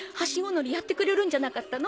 乗りやってくれるんじゃなかったの？